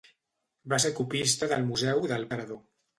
Va ser copista del Museu del Prado.